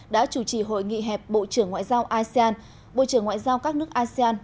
đã chủ trì hội nghị hẹp bộ trưởng ngoại giao asean bộ trưởng ngoại giao các nước asean